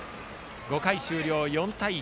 ５回終了、４対１。